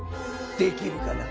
できるかな？